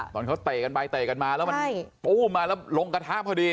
ตอนเขาเตะกันไปเตะกันมาแล้วมันปู้มมาแล้วลงกระทะพอดี